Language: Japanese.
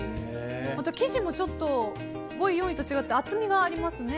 生地もちょっと５位、４位と違って厚みがありますね。